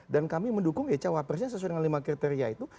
dan kami mendukung jawab presnya sesuai dengan lima kriteria itu